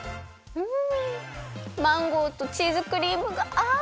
うん！